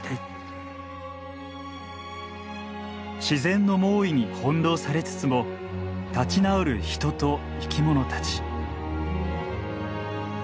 自然の猛威に翻弄されつつも立ち直る人と生き物たち。